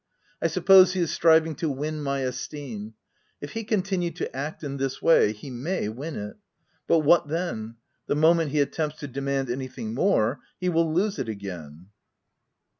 I suppose he is striving to 6 win my esteem/ If he continue to act in this way, he may win it ;— but what then? the moment he attempts to demand anything more, he will lose it again.